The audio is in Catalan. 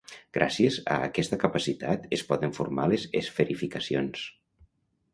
Gràcies a aquesta capacitat es poden formar les esferificacions.